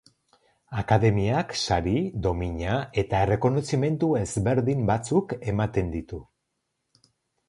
Akademiak sari, domina eta errekonozimendu ezberdin batzuk ematen ditu.